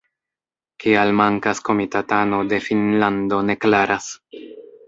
Kial mankas komitatano de Finnlando ne klaras.